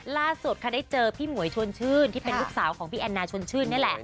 ล่าสุดค่ะได้เจอพี่หมวยชวนชื่นที่เป็นลูกสาวของพี่แอนนาชวนชื่นนี่แหละ